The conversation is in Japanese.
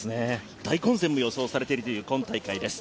大混戦も予想されている今大会です。